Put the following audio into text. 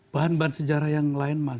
bahan bahan sejarah yang lain mas